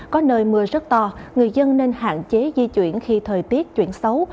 có nơi mưa rất to người dân nên hạn chế di chuyển khi thời tiết chuyển xấu